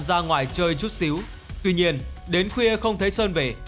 ra ngoài chơi chút xíu tuy nhiên đến khuya không thấy sơn về